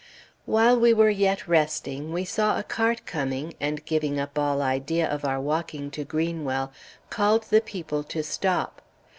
While we were yet resting, we saw a cart coming, and, giving up all idea of our walking to Greenwell, called the people to stop.